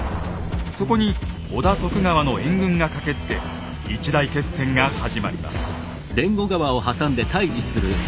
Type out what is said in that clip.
そこに織田・徳川の援軍が駆けつけ一大決戦が始まります。